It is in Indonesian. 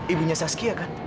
ibunya saskia kan